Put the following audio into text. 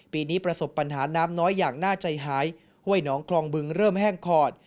ปีนี้ประสบปัญหาน้ำน้อยอย่างน่าใจหายห้วยหนองคลองบึงเริ่มแห้งขอด